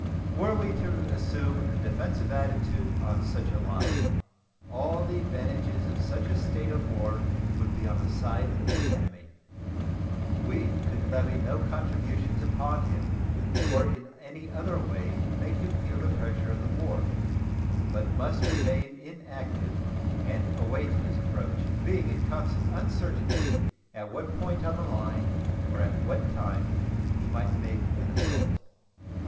Were we to assume a defensive attitude on such a line, all the advantages of such a state of war would be on the side of the enemy. We could levy no contributions upon him, or in any other way make him feel the pressure of the war, but must remain inactive and await his approach, being in constant uncertainty at what point on the line or at what time he might make an assault.